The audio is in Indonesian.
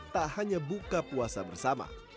tak hanya buka puasa bersama